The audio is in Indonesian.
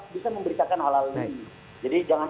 bisa memberitakan hal hal ini